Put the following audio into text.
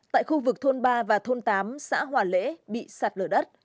tại khu vực thôn ba và thôn tám xã hòa lễ bị sạt lở đất